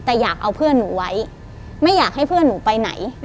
แต่อยากเอาเพื่อนหนูไว้ไม่อยากให้เพื่อนหนูไปไหน